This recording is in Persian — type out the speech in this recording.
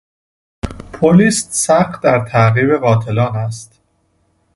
پلیس سخت در تعقیب قاتلان است.